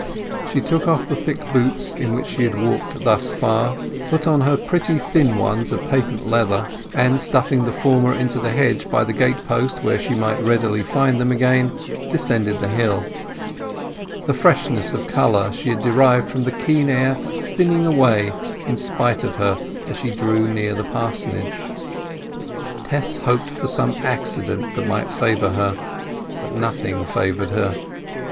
She took off the thick boots in which she had walked thus far, put on her pretty thin ones of patent leather, and, stuffing the former into the hedge by the gatepost where she might readily find them again, descended the hill; the freshness of colour she had derived from the keen air thinning away in spite of her as she drew near the parsonage. Tess hoped for some accident that might favour her, but nothing favoured her.